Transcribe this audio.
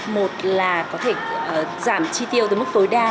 một là có thể giảm chi tiêu tới mức tối đa